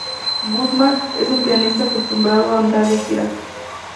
Goodman es un pianista acostumbrado a andar de gira.